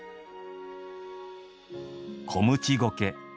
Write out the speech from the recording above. コムチゴケ。